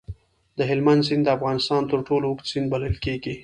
د هلمند سیند د افغانستان تر ټولو اوږد سیند بلل کېږي.